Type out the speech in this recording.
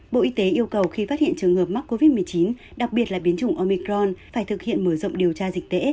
bộ y tế yêu cầu khi phát hiện trường hợp mắc covid một mươi chín đặc biệt là biến chủng omicron phải thực hiện mở rộng điều tra dịch tễ